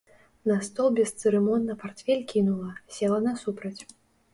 На стол бесцырымонна партфель кінула, села насупраць.